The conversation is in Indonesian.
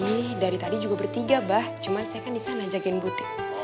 ih dari tadi juga bertiga bah cuma saya kan disana jagain butik